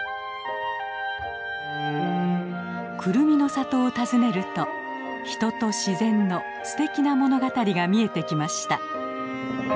クルミの里を訪ねると人と自然のすてきな物語が見えてきました。